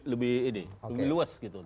lebih luas gitu